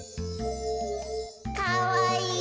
かわいい。